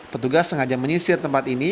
petugas sengaja menyisir tempat ini